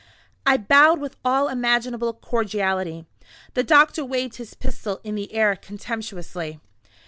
I bowed with all imaginable cordiality. The doctor waved his pistol in the air contemptuously.